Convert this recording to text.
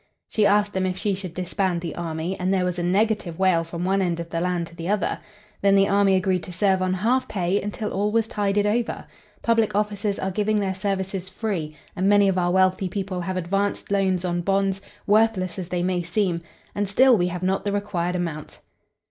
She asked them if she should disband the army, and there was a negative wail from one end of the land to the other. Then the army agreed to serve on half pay until all was tided over. Public officers are giving their services free, and many of our wealthy people have advanced loans on bonds, worthless as they may seem, and still we have not the required amount."